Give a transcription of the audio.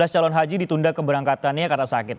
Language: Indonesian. tiga belas calon haji ditunda keberangkatannya karena sakit